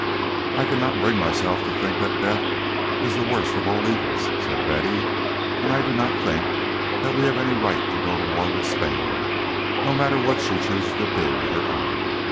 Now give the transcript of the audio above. "I cannot bring myself to think that death is the worst of all evils," said Betty, "and I do not think that we have any right to go to war with Spain, no matter what she chooses to do with her own.